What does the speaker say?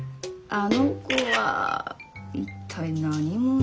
あの子は一体何者？